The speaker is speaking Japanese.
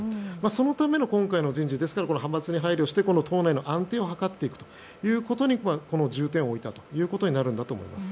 そのための今回の人事派閥に配慮して党内の安定を図っていくことに重点を置いたことになるんだと思います。